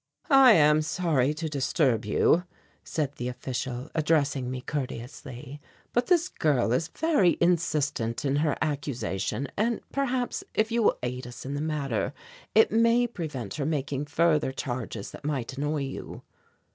"I am sorry to disturb you," said the official, addressing me courteously, "but this girl is very insistent in her accusation, and perhaps, if you will aid us in the matter, it may prevent her making further charges that might annoy you."